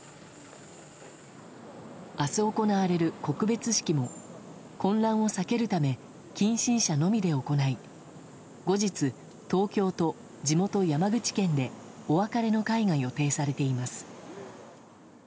明日行われる告別式も混乱を避けるため近親者のみで行い後日、東京と地元・山口県でお別れの会が予定されています。